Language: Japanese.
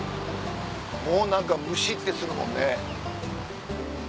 もう何かむしってするもんね。